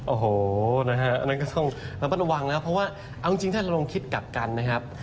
โอ้โหอันนั้นก็ต้องระวังนะครับเพราะว่าเอาจริงถ้าเราลงคิดกลับกันนะครับ